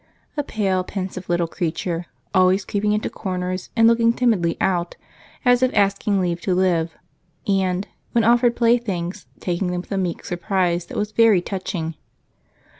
A pale, pensive little creature, always creeping into corners and looking timidly out, as if asking leave to live, and, when offered playthings, taking them with a meek surprise that was very touching.